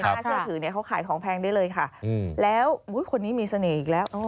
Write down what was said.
น่าเชื่อถือเนี่ยเขาขายของแพงได้เลยค่ะแล้วคนนี้มีเสน่ห์อีกแล้ว